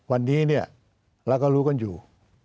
วันนี้เนี่ยเราก็รู้กันอยู่